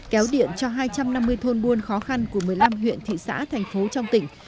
kéo điện cho hai trăm năm mươi thôn buôn khó khăn của một mươi năm huyện thị xã thành phố trong tỉnh